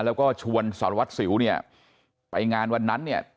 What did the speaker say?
แล้วก็ชวนสารวัตรสิวเนี่ยไปงานวันนั้นเนี่ย